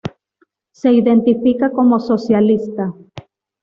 Se identifica como socialista.